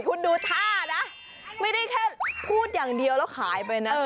คุณดูท่านะไม่ได้แค่พูดอย่างเดียวแล้วขายไปนะ